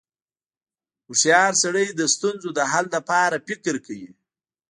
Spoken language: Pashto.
• هوښیار سړی د ستونزو د حل لپاره فکر کوي.